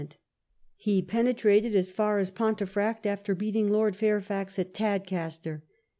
ment. He penetrated as far as Pontefract after beating Lord Fairfax at Tadcaster.